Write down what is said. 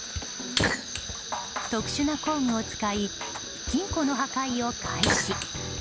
特殊な工具を使い金庫の破壊を開始。